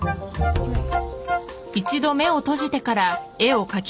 はい